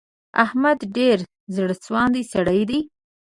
احمد ډېر زړه سواندی سړی دی.